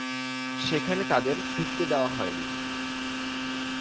সেখানে তাঁদের ঢুকতে দেওয়া হয়নি।